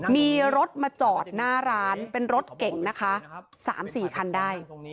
มีรถมาจอดหน้าร้านเป็นรถเก่งนะคะ๓๔คันได้